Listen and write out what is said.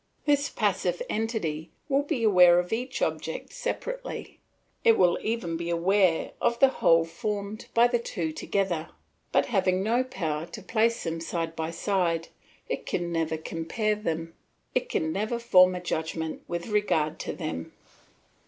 This passive entity will be aware of each object separately, it will even be aware of the whole formed by the two together, but having no power to place them side by side it can never compare them, it can never form a judgment with regard to them.